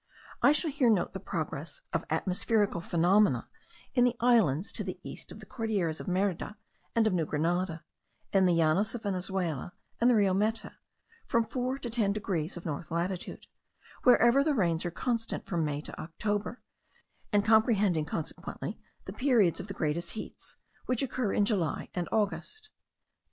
I shall here note the progress of atmospherical phenomena in the islands to the east of the Cordilleras of Merida and of New Grenada, in the Llanos of Venezuela and the Rio Meta, from four to ten degrees of north latitude, wherever the rains are constant from May to October, and comprehending consequently the periods of the greatest heats, which occur in July and August.